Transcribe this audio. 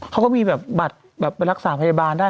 เขาก็มีแบบบัตรแบบไปรักษาพยาบาลได้